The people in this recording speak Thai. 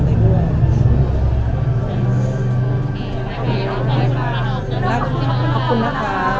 ขอบคุณค่ะ